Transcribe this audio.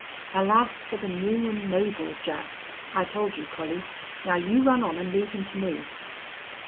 Alas for the new an' noble Jack! I told you, Collie. Now you run on an' leave him to me."